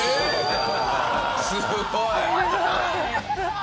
すごい！